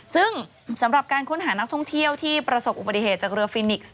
ซึ่งสำหรับการค้นหานักท่องเที่ยวที่ประสบอุบัติเหตุจากเรือฟินิกส์